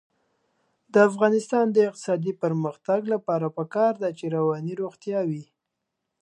د افغانستان د اقتصادي پرمختګ لپاره پکار ده چې رواني روغتیا وي.